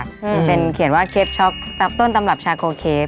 อือคือเป็นเขียนว่าเคปช็อกต้นสำหรับชาโคนเคป